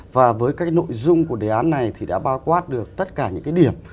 và với các cái nội dung của đề án này thì đã bao quát được tất cả những cái điểm